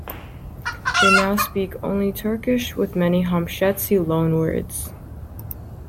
They now speak only Turkish with many Homshetsi loanwords.